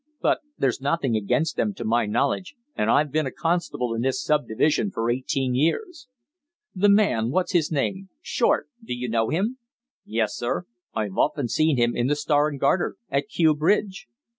But there's nothing against them, to my knowledge, and I've been a constable in this sub division for eighteen years." "The man what's his name? Short. Do you know him?" "Yes, sir. I've often seen him in the 'Star and Garter' at Kew Bridge."